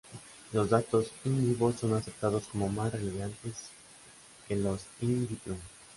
Los datos "in vivo" son aceptados como más relevantes que los "in vitro".